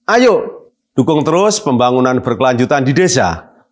ayo dukung terus pembangunan berkelanjutan di desa